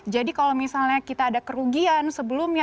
jadi kalau misalnya kita ada kerugian sebelumnya